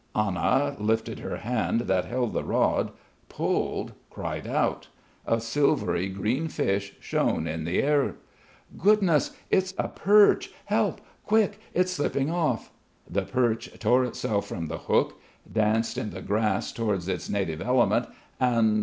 Anna lifted her hand that held the rod pulled, cried out. A silvery green fish shone in the air. "Goodness! it's a perch! Help quick! It's slipping off." The perch tore itself from the hook danced in the grass towards its native element and